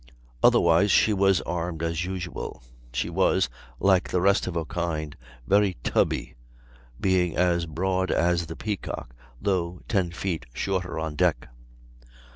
Otherwise she was armed as usual. She was, like the rest of her kind, very "tubby," being as broad as the Peacock, though 10 feet shorter on deck.